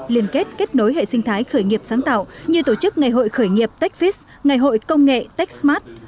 liên kết kết nối hệ sinh thái khởi nghiệp sáng tạo như tổ chức ngày hội khởi nghiệp techfis ngày hội công nghệ techsmart